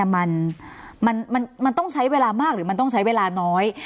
มันต้องใช้เวลามากหรือมันต้องใช้เวลาน้อย